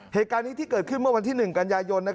เหตุการณ์นี้ที่เกิดขึ้นเมื่อวันที่๑กันยายน